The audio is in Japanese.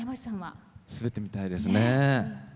滑ってみたいですね。